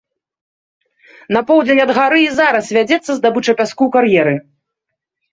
На поўдзень ад гары і зараз вядзецца здабыча пяску ў кар'еры.